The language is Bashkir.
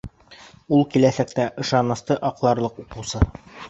Ул киләсәктә ышанысты аҡларлыҡ уҡыусы